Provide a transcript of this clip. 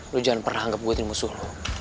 lo jangan pernah anggap gue jadi musuh lo